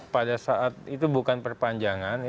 pada saat itu bukan perpanjangan